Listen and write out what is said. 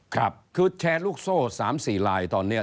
ครับคือแชร์ลูกโซ่๓๔ลายตอนนี้